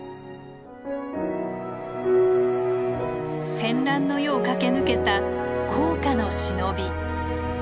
戦乱の世を駆け抜けた甲賀の忍び。